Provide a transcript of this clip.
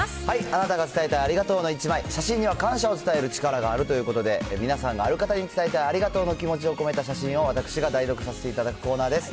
あなたが伝えたいありがとうの１枚、写真には感謝を伝える力があるということで、皆さんがある方に伝えたい、ありがとうの気持ちを込めた写真を私が代読させていただくコーナーです。